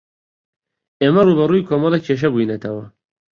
ئێمە ڕووبەڕووی کۆمەڵێک کێشە بووینەتەوە.